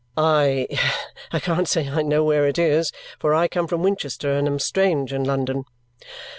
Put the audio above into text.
"I can't say I know where it is, for I come from Winchester and am strange in London."